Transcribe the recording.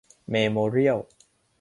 เมโมเรียล